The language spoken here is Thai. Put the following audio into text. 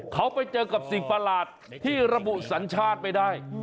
เขาไปเจอกับสิ่งประหลาดที่ระบุสัญชาติไม่ได้